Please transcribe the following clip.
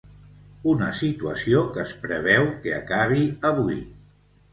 Una situació que es preveu que acabi avui.